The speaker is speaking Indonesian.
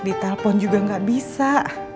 ditalpon juga gak bisa